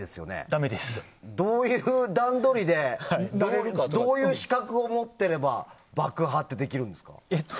どういう段取りでどういう資格を持っていれば爆破ってできるんですか？